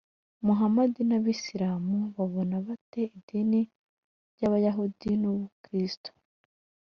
muhamadi n’abisilamu babona bate idini ry’abayahudi n’ubukristo?